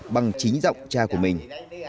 bằng chính giọng cha của mình